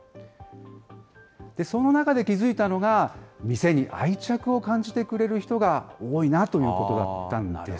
その中で気付いたのが、店に愛着を感じてくれる人が多いなということだったんです。